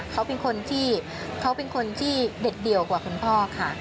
เขาเป็นคนที่เด็ดเดี่ยวกว่าคุณพ่อค่ะ